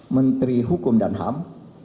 menteri hukum dan ham